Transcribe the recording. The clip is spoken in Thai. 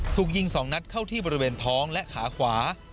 ถูกยิง๒นัดเข้าที่บริเวณท้องและขาขวา